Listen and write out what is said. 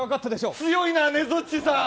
強いな、ねづっちさん。